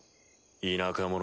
田舎者。